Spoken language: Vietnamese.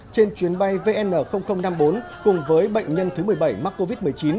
trên chuyến bay vn năm mươi bốn cùng với bệnh nhân thứ một mươi bảy mắc covid một mươi chín